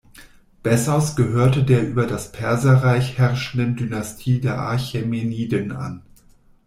Bessos gehörte der über das Perserreich herrschenden Dynastie der Achämeniden an.